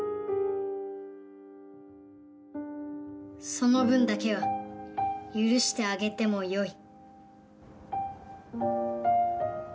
その分だけは許してあげてもよい。